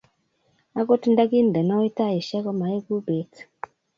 agot ndagindenoi taishek komaegu ku beet